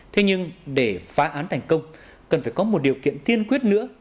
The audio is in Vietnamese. thế nhưng để phá án thành công cần phải có một điều kiện tiên quyết nữa